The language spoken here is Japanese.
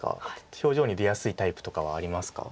表情に出やすいタイプとかはありますか？